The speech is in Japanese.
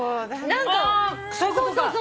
ああそういうことか。